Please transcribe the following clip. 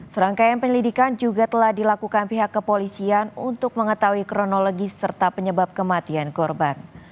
serangkaian penyelidikan juga telah dilakukan pihak kepolisian untuk mengetahui kronologi serta penyebab kematian korban